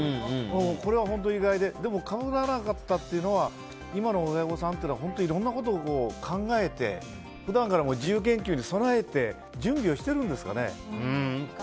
これは本当に意外でかぶらなかったというのは今の親御さんはいろんなことを考えて普段から自由研究に備えて準備をしてるんですかね。